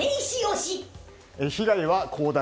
被害は広大